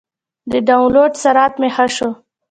د ډاونلوډ سرعت مې ښه شو.